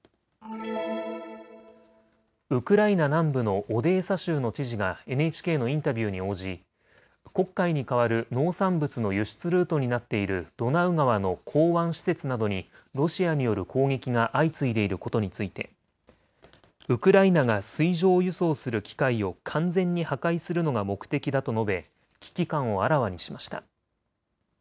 ウクライナ南部のオデーサ州の知事がＮＨＫのインタビューに応じ、黒海に代わる農産物の輸出ルートになっているドナウ川の港湾施設などにロシアによる攻撃が相次いでいることについてウクライナが水上輸送する機会を完全に破壊するのが目的だと述べ危機感をあらわにしました。